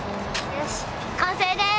よし完成です！